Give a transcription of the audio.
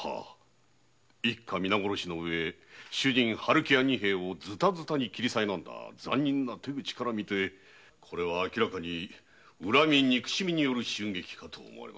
一家皆殺しのうえ主人・春喜屋仁兵衛をズタズタに斬り苛んだ残忍な手口からみて明らかに恨み憎しみによる襲撃かと。